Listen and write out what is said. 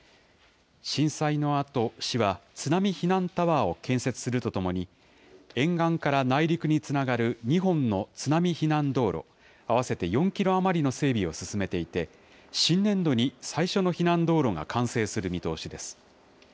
震災のあと、市は、津波避難タワーを建設するとともに、沿岸から内陸につながる２本の津波避難道路、合わせて４キロ余りの整備を進めていて、新年度に最初の避難道路が完成する見通しです。